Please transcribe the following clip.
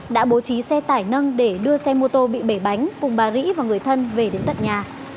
đã bố trí xe tải nâng để đưa xe mô tô bị bể bánh cùng bà ri và người thân về đến tận nhà